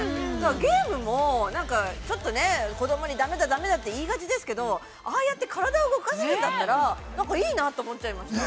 ゲームも、ちょっとね、子供に、だめだ、だめだって言いがちですけどああやって体を動かせるんだったらなんか、いいなと思っちゃいました。